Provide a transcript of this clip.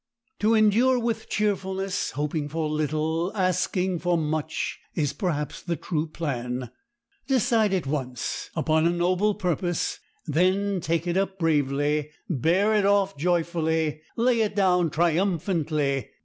To endure with cheerfulness, hoping for little, asking for much, is, perhaps, the true plan. Decide at once upon a noble purpose, then take it up bravely, bear it off joyfully, lay it down triumphantly.